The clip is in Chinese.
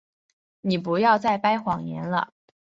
你不要再掰谎言了。